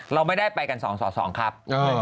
เราไม่ได้ไปกันสองสองครับ